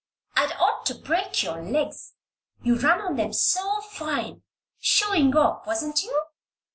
"I'd ought to break your legs you run on them so fine. Showing off; wasn't you?"